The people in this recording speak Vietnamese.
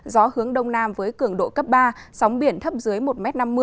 gió hướng đông nam với cường độ cấp ba sóng biển thấp dưới một m năm mươi